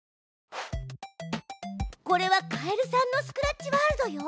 これはカエルさんのスクラッチワールドよ。